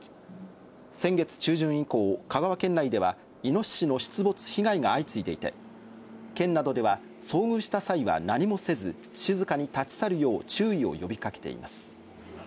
先月中旬以降、香川県内では、イノシシの出没被害が相次いでいて、県などでは、遭遇した際は何もせず、静かに立ち去るよう注意を呼びかけています。